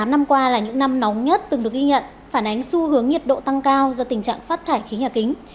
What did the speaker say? tám năm qua là những năm nóng nhất từng được ghi nhận phản ánh xu hướng nhiệt độ tăng cao do tình trạng phát thải khí nhà kính